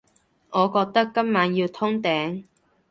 我覺得今晚要通頂